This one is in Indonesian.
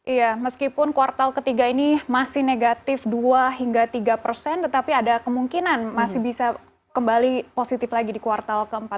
iya meskipun kuartal ketiga ini masih negatif dua hingga tiga persen tetapi ada kemungkinan masih bisa kembali positif lagi di kuartal keempat